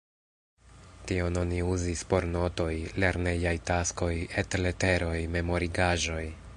Tion oni uzis por notoj, lernejaj taskoj, et-leteroj, memorigaĵoj.